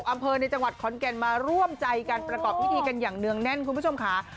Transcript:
อำเภอในจังหวัดขอนแก่นมาร่วมใจการประกอบพิธีกันอย่างเนื่องแน่นคุณผู้ชมค่ะ